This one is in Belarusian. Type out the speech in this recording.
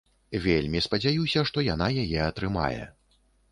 Вельмі спадзяюся, што яна яе атрымае.